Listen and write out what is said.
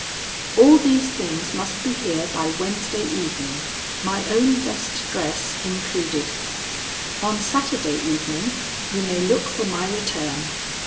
"All these things must be here by Wednesday evening, my own best dress included. On Saturday evening you may look for my return.